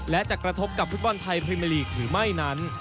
และจะกระทบกับฟุตบอลไทยพรีเมอร์ลีกหรือไม่นั้น